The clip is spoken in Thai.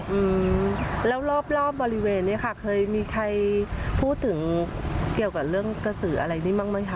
อืมแล้วรอบรอบบริเวณเนี้ยค่ะเคยมีใครพูดถึงเกี่ยวกับเรื่องกระสืออะไรนี้บ้างไหมคะ